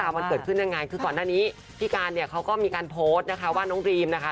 มันเกิดขึ้นยังไงคือก่อนหน้านี้พี่การเนี่ยเขาก็มีการโพสต์นะคะว่าน้องดรีมนะคะ